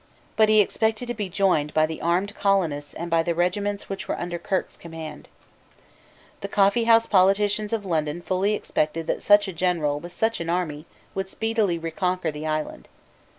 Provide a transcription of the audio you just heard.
But he expected to be joined by the armed colonists and by the regiments which were under Kirke's command. The coffeehouse politicians of London fully expected that such a general with such an army would speedily reconquer the island.